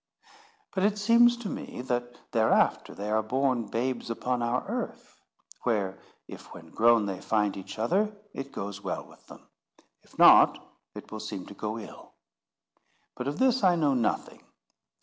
But it seems to me, that thereafter they are born babes upon our earth: where, if, when grown, they find each other, it goes well with them; if not, it will seem to go ill. But of this I know nothing.